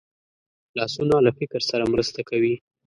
لاسونه له فکر سره مرسته کوي